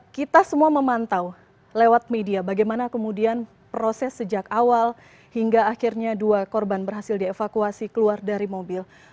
kita semua memantau lewat media bagaimana kemudian proses sejak awal hingga akhirnya dua korban berhasil dievakuasi keluar dari mobil